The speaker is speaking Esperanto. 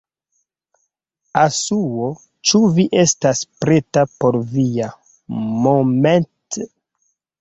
Asuo, ĉu vi estas preta por via moment'...